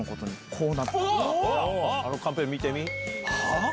あのカンペ見てみ。